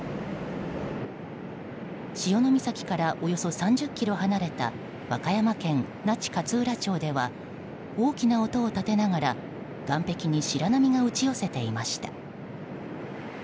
潮岬からおよそ３０ｋｍ離れた和歌山県那智勝浦町では大きな音を立てながら岸壁に白波が打ち寄せていました。